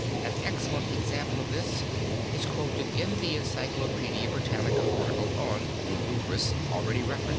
An excellent example of this is quoted in the Encyclopedia Britannica article on Rubruquis already referred to.